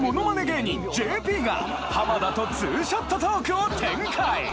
芸人ＪＰが浜田とツーショットトークを展開